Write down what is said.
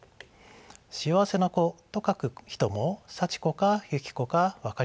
「幸せな子」と書く人も「さちこ」か「ゆきこ」か分かりません。